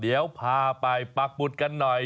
เดี๋ยวพาไปปากบุตรกันหน่อย